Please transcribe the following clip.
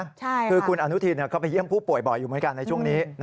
คือคุณอนุทินก็ไปเยี่ยมผู้ป่วยบ่อยอยู่เหมือนกันในช่วงนี้